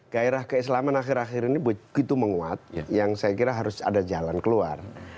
gairah keislaman akhir akhir ini begitu menguat yang saya kira harus ada jalan keluar